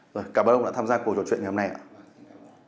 rồi cảm ơn ông đã tham gia cuộc trò chuyện ngày hôm nay ạ